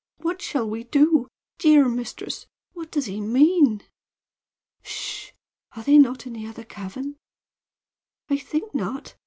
What shall we do? Dear mistress, what does he mean?" "Sh! Are they not in the other cavern?" "I think not.